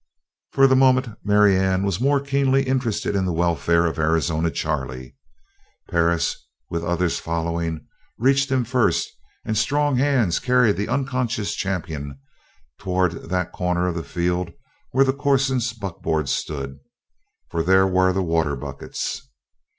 For the moment, Marianne was more keenly interested in the welfare of Arizona Charley. Perris, with others following, reached him first and strong hands carried the unconscious champion towards that corner of the field where the Corson buckboard stood; for there were the water buckets.